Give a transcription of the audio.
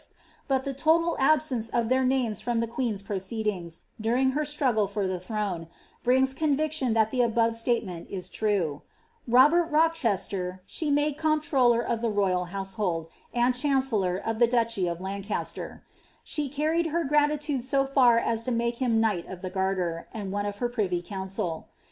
SM. h^en preTiously lihernled by Edward VI^ but the total abscnre of their tianie« from llie queen's pruceediiigB, during her struggle for the throne, brings conviclion that llie above statemeni is true. Robert Rouhesier' she made eomplroller of the royal household, and chancellor of ihe durhy of Lanraeler; ahe carried her gratitude so far us to make him knight of the Garter, and one of her privy council.